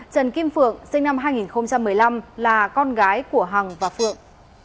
trần kim phượng sinh năm hai nghìn một mươi năm là con gái của hằng và phượng